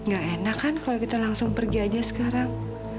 gak enak kan kalau kita langsung pergi aja sekarang